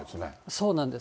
そうなんです。